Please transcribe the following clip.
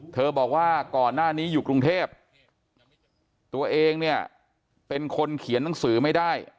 บอกว่าก่อนหน้านี้อยู่กรุงเทพตัวเองเนี่ยเป็นคนเขียนหนังสือไม่ได้